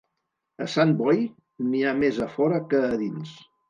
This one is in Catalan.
A Sant Boi n'hi ha més a fora que a dins.